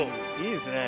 いいですね。